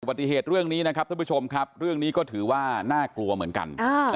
ปฏิเหตุเรื่องนี้นะครับท่านผู้ชมครับเรื่องนี้ก็ถือว่าน่ากลัวเหมือนกัน